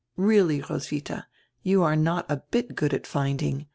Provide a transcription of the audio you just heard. "Really, Roswitha, you are not a bit good at finding.